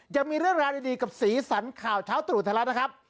ยังมีเรื่องราวดีกับสีสันข่าวเช้าตรูธแล้วนะครับ